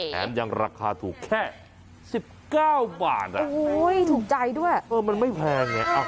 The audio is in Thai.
แถมยังราคาถูกแค่๑๙บาทถูกใจด้วยเออมันไม่แพงไง